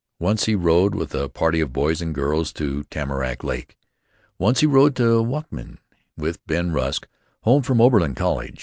Once he rode with a party of boys and girls to Tamarack Lake. Once he rode to Wakamin with Ben Rusk, home from Oberlin College.